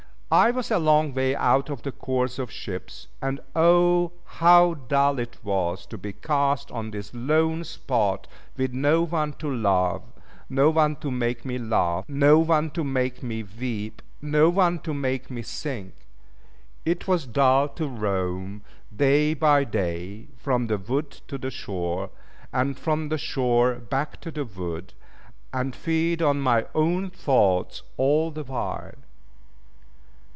I was a long way out of the course of ships: and oh, how dull it was to be cast on this lone spot with no one to love, no one to make me laugh, no one to make me weep, no one to make me think. It was dull to roam, day by day, from the wood to the shore; and from the shore back to the wood, and feed on my own thoughts all the while.